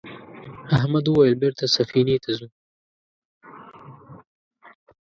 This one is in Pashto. احمد وویل بېرته سفینې ته ځو.